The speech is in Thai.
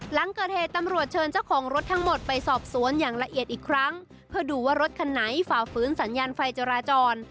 หลังเกิดเหตุตำรวจเชิญเจ้าของรถทั้งหมดไปสอบสวนอย่างละเอียดอีกครั้งเพื่อดูว่ารถคันไหนฝ่าฝืนสัญญาณไฟจราจร